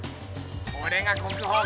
これが国宝か。